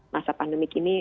masa pandemik ini